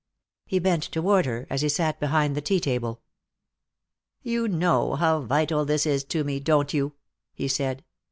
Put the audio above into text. He bent toward her, as he sat behind the tea table. "You know how vital this is to me, don't you?" he said.